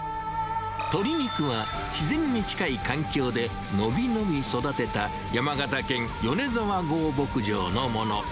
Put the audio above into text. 鶏肉は、自然に近い環境でのびのび育てた、山形県米沢郷牧場のもの。